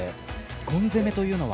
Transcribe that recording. ゴン攻めというのは？